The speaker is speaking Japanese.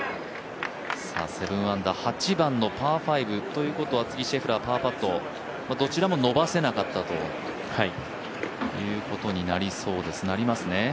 ７アンダー、８番のパー５ということは次、シェフラー、パーパット、どちらも伸ばせなかったということになりますね。